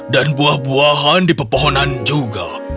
dan buah buahan di pepohonan juga